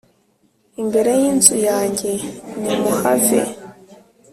imbere y inzu yanjye nimuhave